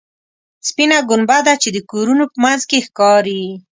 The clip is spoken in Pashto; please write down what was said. سپینه ګنبده چې د کورونو په منځ کې ښکاري.